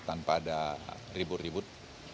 tanpa ada ribut ribut